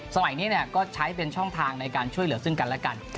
สมัยนี้ก็ใช้เป็นช่องทางในการช่วยเหลือซึ่งกันและกัน